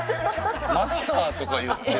マスターとか言って。